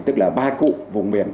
tức là ba cụ vùng huyền